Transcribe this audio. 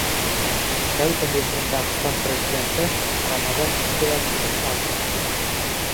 Тәүге һүҙҙе Дағстан Президенты Рамазан Абдулатипов алды.